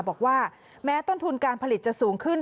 บอกว่าแม้ต้นทุนการผลิตจะสูงขึ้น